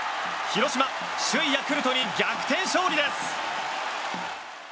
広島、首位ヤクルトに逆転勝利です！